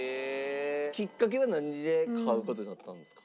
きっかけは何で飼う事になったんですか？